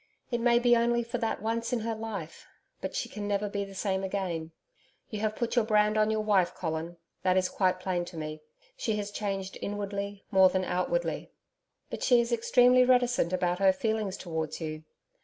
It may be only for that once in her life, but she can never be the same again. You have put your brand on your wife, Colin that is quite plain to me. She has changed inwardly more than outwardly. But she is extremely reticent about her feelings towards you.